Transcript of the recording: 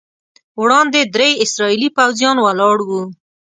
وړاندې درې اسرائیلي پوځیان ولاړ وو.